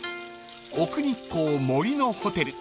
［奥日光森のホテル］